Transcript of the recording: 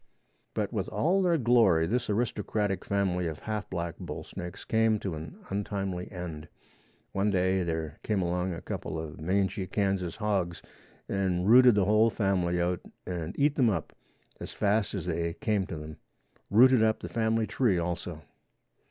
But with all their glory this aristocratic family of half black bull snakes came to an untimely end. One day there came along a couple of mangy Kansas hogs and rooted the whole family out and eat them up as fast as they came to them; rooted up the family tree also.